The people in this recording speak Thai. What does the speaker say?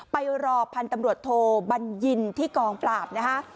ไปรอพันธุ์ตำรวจโทบัญญินที่กองปราบนะฮะ